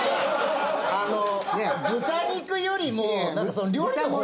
あの豚肉よりもなんか料理の方。